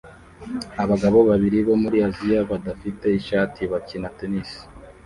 Abagabo babiri bo muri Aziya badafite ishati bakina tennis